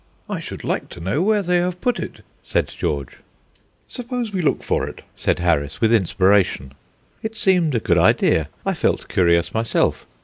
"I should like to know where they have put it," said George. "Suppose we look for it?" said Harris, with inspiration. It seemed a good idea. I felt curious myself.